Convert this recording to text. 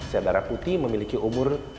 sel darah putih memiliki umur